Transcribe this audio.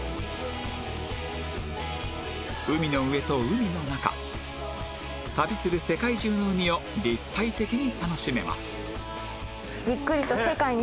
海の上と海の中旅する世界中の海を立体的に楽しめます